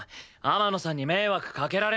天野さんに迷惑かけられない。